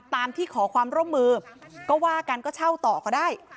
ตามที่ขอความร่วมมือก็ว่ากันก็เช่าต่อก็ได้